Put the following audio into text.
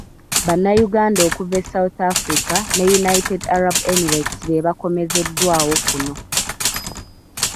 Bannayuganda okuva e South Africa ne United Arab Emirates be baakomezeddwawo kuno.